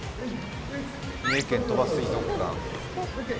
三重県・鳥羽水族館。